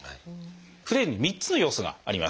フレイルに３つの要素があります。